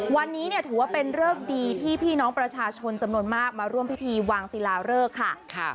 วันนี้เนี่ยถือว่าเป็นเริกดีที่พี่น้องประชาชนจำนวนมากมาร่วมพิธีวางศิลาเริกค่ะ